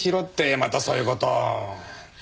またそういう事を。